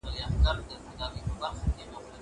اودس به پر امو کو لمنځونه پراټک